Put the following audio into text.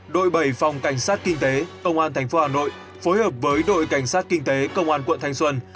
đội bảy phòng cảnh sát kinh tế công an tp hà nội phối hợp với đội cảnh sát kinh tế công an quận thanh xuân